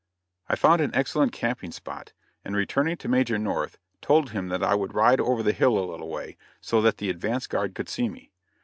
I found an excellent camping spot, and returning to Major North told him that I would ride over the hill a little way, so that the advance guard could see me.